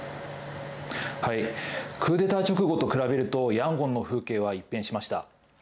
クーデター直後と比べると、ヤンゴンの風景は一変しました。